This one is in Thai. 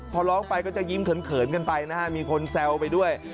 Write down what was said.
พอร้องไปก็จะยิ้มเขินกันไปนะฮะมีคนแซวไปด้วย